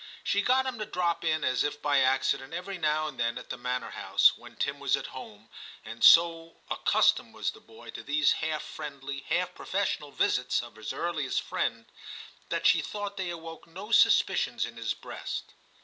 She got him to drop in as if by accident every now and then at the manor house when Tim was at home, and so accustomed was the boy to these half friendly, half pro fessional visits of his earliest friend that she thought they awoke no suspicions in his breast.